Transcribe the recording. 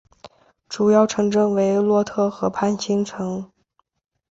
主要城镇为洛特河畔新城。